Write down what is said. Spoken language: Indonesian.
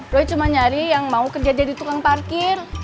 gue cuma nyari yang mau kerja jadi tukang parkir